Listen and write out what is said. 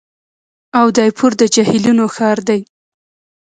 اودایپور د جهیلونو ښار دی.